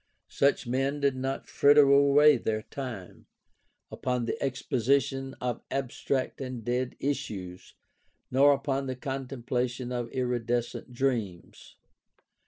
Such men did not frit ter away their time upon the exposition of abstract and dead issues nor upon the contemplation of iridescent dreams.